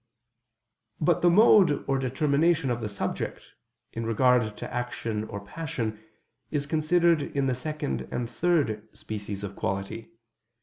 But the mode o[r] determination of the subject, in regard to action or passion, is considered in the second and third species of quality.